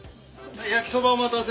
焼きそばお待たせ。